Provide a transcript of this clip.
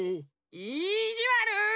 いじわる！